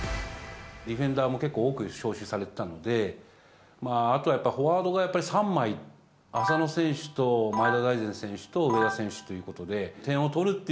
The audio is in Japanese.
ディフェンダーも結構多く招集されてたので、あとはやっぱ、フォワードがやっぱ３枚、浅野選手と前田大然選手と上田選手っていうことで、点を取るって